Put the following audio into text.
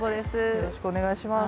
よろしくお願いします。